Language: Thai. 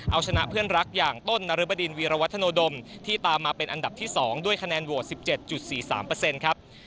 เอาชนะเพื่อนรักอย่างต้นนรบดินวีรวัฒโนดมที่ตามมาเป็นอันดับที่๒ด้วยคะแนนโหวต๑๗๔๓ครับ